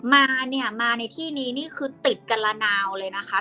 มาในที่นี้คือติดกันระนาวเลยนะคะ